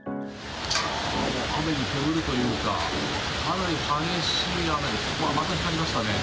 雨でけむるというか、かなり激しい雨です、うわ、また光りましたね。